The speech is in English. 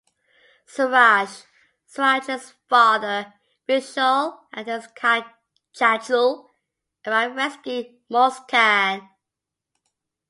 Suraj, Suraj's father, Vishal and his Chachu arrive rescue Muskaan.